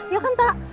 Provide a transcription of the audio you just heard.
ya kan tak